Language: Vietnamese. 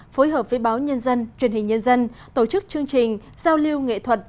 phối hợp với báo nhân dân truyền hình nhân dân tổ chức chương trình giao lưu nghệ thuật